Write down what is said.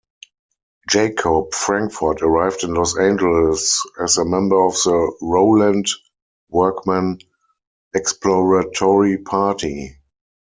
Jacob Frankfort arrived in Los Angeles as a member of the Rowland-Workman exploratory party.